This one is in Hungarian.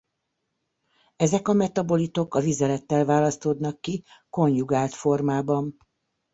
Ezek a metabolitok a vizelettel választódnak ki konjugált formában.